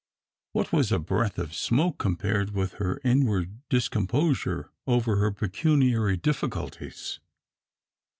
What was a breath of smoke compared with her inward discomposure over her pecuniary difficulties?